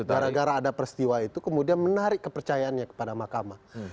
gara gara ada peristiwa itu kemudian menarik kepercayaannya kepada mahkamah